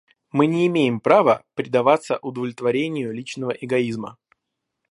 Мы не имеем права предаваться удовлетворению личного эгоизма.